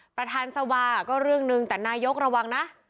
ประธานสวาก็เรื่องหนึ่งแต่นายกระวังนะ